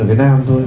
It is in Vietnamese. ở việt nam thôi